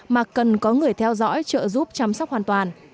mà cần có người theo dõi trợ giúp chăm sóc hoàn toàn